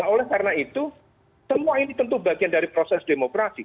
oleh karena itu semua ini tentu bagian dari proses demokrasi